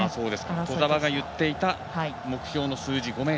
兎澤が言っていた目標の数字、５ｍ。